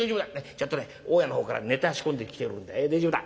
ちゃんとね大家の方からネタ仕込んできてるんで大丈夫だ。